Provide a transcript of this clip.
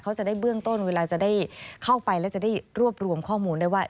เขาจะได้เบื้องต้นเวลาจะได้เข้าไปแล้วจะได้รวบรวมข้อมูลได้ว่า